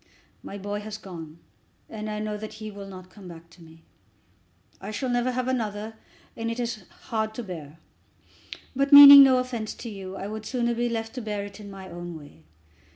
My boy has gone, and I know that he will not come back to me. I shall never have another, and it is hard to bear. But, meaning no offence to you, I would sooner be left to bear it in my own way.